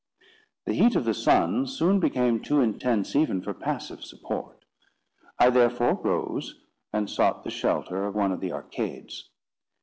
The heat of the sun soon became too intense even for passive support. I therefore rose, and sought the shelter of one of the arcades.